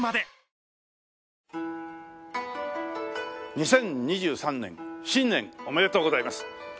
２０２３年新年おめでとうございます。